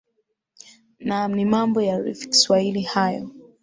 naam ni mambo ya rfi kiswahili hayo